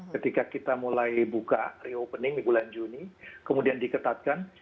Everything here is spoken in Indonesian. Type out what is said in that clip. ketika kita mulai buka reopening di bulan juni kemudian diketatkan